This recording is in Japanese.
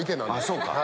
そうか！